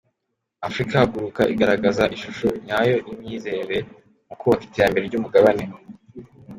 Africa Haguruka igaragaza ishusho nyayo y’imyizerere mu kubaka iterambere ry’umugabane.